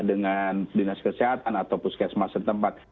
dengan dinas kesehatan atau puskesmas setempat